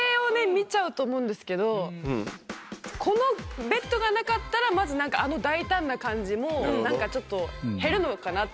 見ちゃうと思うんですけどこのベッドがなかったらまずあの大胆な感じもなんかちょっと減るのかなって。